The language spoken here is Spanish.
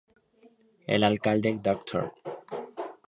El alcalde Dr.